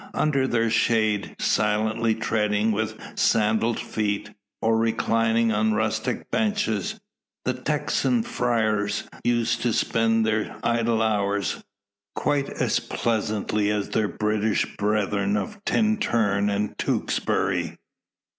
Under their shade, silently treading with sandalled feet, or reclining on rustic benches, the Texan friars used to spend their idle hours, quite as pleasantly as their British brethren of Tintern and Tewkesbury.